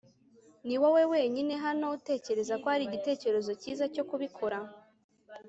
niwowe wenyine hano utekereza ko ari igitekerezo cyiza cyo kubikora